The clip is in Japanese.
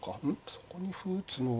そこに歩打つのが。